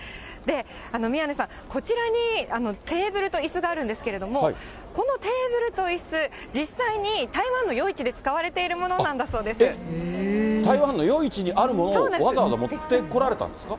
宮根さん、こちらにテーブルといすがあるんですけれども、このテーブルといす、実際に台湾の夜市で使われているものなんだそうでえっ、台湾の夜市にあるものをわざわざ持ってこられたんですか？